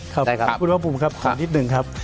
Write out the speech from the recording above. ครับคุณพระอาปุ่มครับขออีกนิดนึงครับ